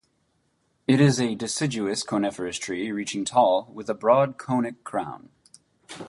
It is a deciduous coniferous tree reaching tall, with a broad conic crown.